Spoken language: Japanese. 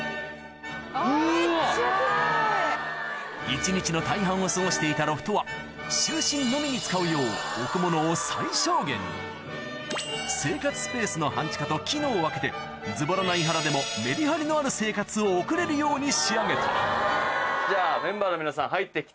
一日の大半を過ごしていたロフトは就寝のみに使うよう置くものを最小限に生活スペースの半地下と機能を分けてズボラな飯原でもメリハリのある生活を送れるように仕上げたどうぞ！